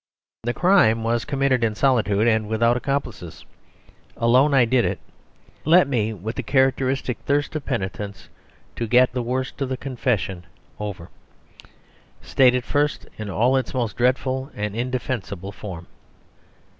The crime was committed in solitude and without accomplices. Alone I did it. Let me, with the characteristic thirst of penitents to get the worst of the confession over, state it first of all in its most dreadful and indefensible form.